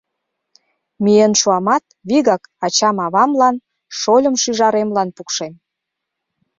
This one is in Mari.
— Миен шуамат, вигак ачам-авамлан, шольым-шӱжаремлан пукшем.